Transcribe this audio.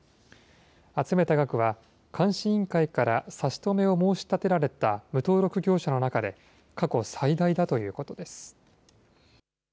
集めた額は、監視委員会から差し止めを申し立てられた無登録業者の中で過去最大だということです。